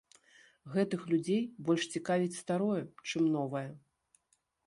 Гэтых людзей больш цікавіць старое, чым новае.